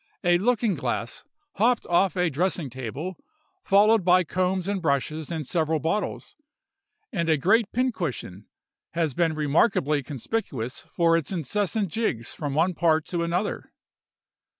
A looking glass hopped off a dressing table, followed by combs and brushes and several bottles, and a great pincushion has been remarkably conspicuous for its incessant jigs from one part to another.